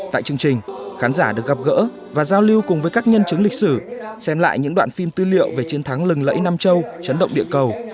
tại chương trình khán giả được gặp gỡ và giao lưu cùng với các nhân chứng lịch sử xem lại những đoạn phim tư liệu về chiến thắng lừng lẫy nam châu chấn động địa cầu